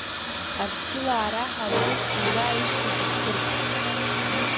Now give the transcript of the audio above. Аԥсилаа раҳ Алдыз сузааишьҭит, Аԥсырҭ.